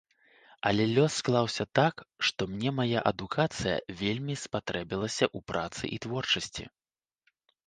Але лёс склаўся так, што мне мая адукацыя вельмі спатрэбілася ў працы і творчасці.